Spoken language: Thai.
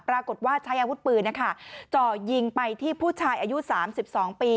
ปรากฏว่าใช้อาวุธปืนเจาะยิงไปที่ผู้ชายอายุ๓๒ปี